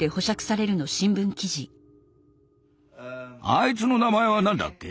あいつの名前は何だっけ？